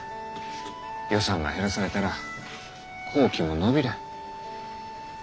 予算が減らされたら工期も延びる。